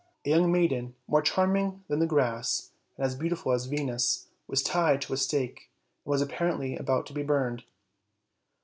A young maiden, more charming than the graces and as beautiful as Venus, was tied to a stake, and was apparently about to be burned.